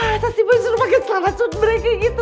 masa sih boy selalu pake celana jute mereka gitu